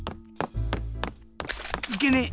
いけねえ！